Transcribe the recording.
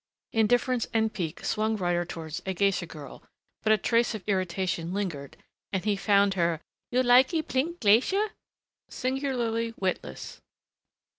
Indifference and pique swung Ryder towards a geisha girl, but a trace of irritation lingered and he found her, "You likee plink gleisha?" singularly witless.